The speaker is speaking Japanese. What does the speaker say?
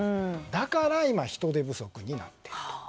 だから、今人手不足になっていると。